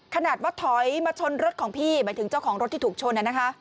ขนาดว่าถอยมาชนรถของพี่หมายถึงเจ้าของรถที่ถูกชนนะคะ